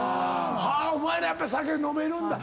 お前らやっぱり酒飲めるんだ。